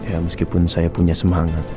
ya meskipun saya punya semangat